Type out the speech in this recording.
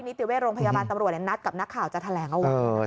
ที่นิติเวชโรงพยาบาลตำรวจและนัดกับนักข่าวจะแถลงอวัง